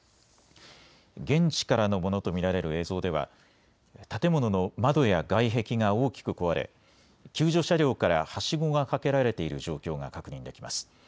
現地からのものと見られる映像では建物の窓や外壁が大きく壊れ救助車両からはしごがかけられている状況が確認できます。